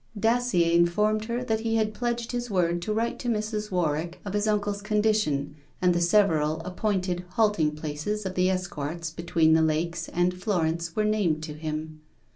Dacier informed her that he had pledged his word to write to Mrs. Warwick of his uncle's condition, and the several appointed halting places of the Esquarts between the lakes and Florence were named to him.